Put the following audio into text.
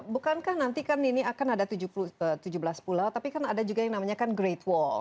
bukankah nanti kan ini akan ada tujuh belas pulau tapi kan ada juga yang namanya kan great wall